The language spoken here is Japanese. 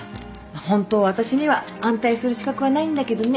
ホントは私には反対する資格はないんだけどね。